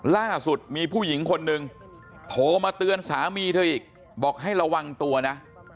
ล่าสุดมีผู้หญิงคนนึงโทรมาเตือนสามีเธออีกบอกให้ระวังตัวนะ